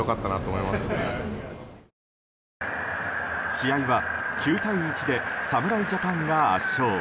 試合は９対１で侍ジャパンが圧勝。